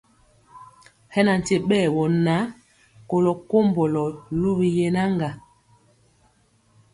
Hɛ na nkye ɓɛɛ wɔ na kolɔ kombɔlɔ luwi yenaŋga.